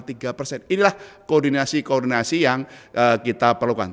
inilah koordinasi koordinasi yang kita perlukan